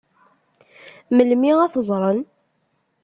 Melmi ad t-ẓṛen?